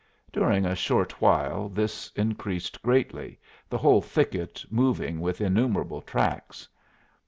During a short while this increased greatly, the whole thicket moving with innumerable tracks.